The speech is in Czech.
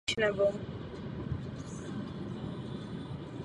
V dalších letech opět vyrazil na moře.